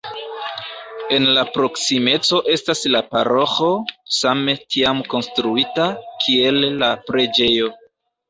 En la proksimeco estas la paroĥo, same tiam konstruita, kiel la preĝejo.